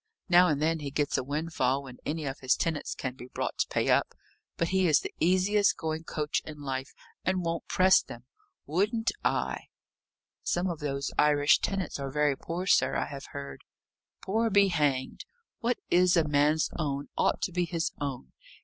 Now and then he gets a windfall when any of his tenants can be brought to pay up; but he is the easiest going coach in life, and won't press them. Wouldn't I!" "Some of those Irish tenants are very poor, sir, I have heard." "Poor be hanged! What is a man's own, ought to be his own.